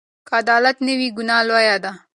که عدالت نه وي، ګناه لویه ده.